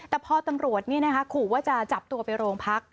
แต่พ่อตำรวจเนี่ยนะคะขู่ว่าจะจับตัวไปโรงพัก